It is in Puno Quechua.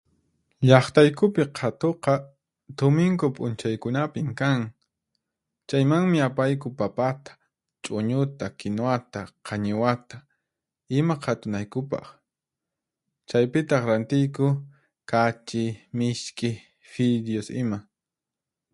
Llaqtaykupi qhatuqa tuminku p'unchaykunapin kan. Chaymanmi apayku papata, ch'uñuta, kinwata, qañiwata ima qhatunaykupaq. Chaypitaq rantiyku kachi, misk'i, fidios ima.